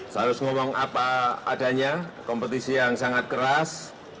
saya harus ngomong apa adanya kompetisi yang sangat keras